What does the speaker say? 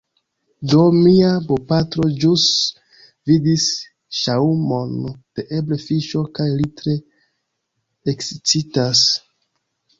Do, mia bopatro ĵus vidis ŝaŭmon de eble fiŝo kaj li tre ekscitas